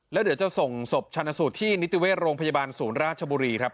แล้วเดี๋ยวจะส่งศพชาญสูตรที่นิติเวชโรงพยาบาลศูนย์ราชบุรีครับ